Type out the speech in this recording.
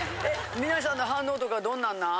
みなさんの反応とかどんなんなん？